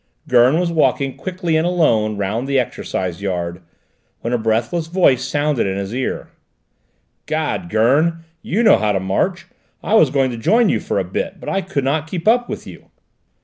Gurn was walking quickly and alone round the exercise yard, when a breathless voice sounded in his ear. "'Gad, Gurn, you know how to march! I was going to join you for a bit, but I could not keep up with you."